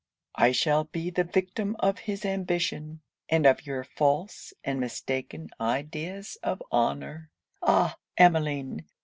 I shall be the victim of his ambition, and of your false and mistaken ideas of honour. 'Ah! Emmeline!